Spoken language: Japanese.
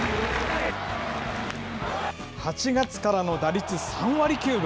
８月からの打率、３割９分。